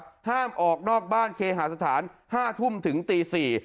ห้ามออกนอกบ้านเคหาสถาน๕ทุ่มถึงตี๔